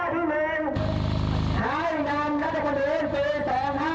เพื่อประชาชนและเพื่อประชาชน